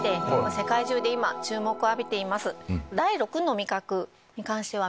世界中で今注目を浴びています。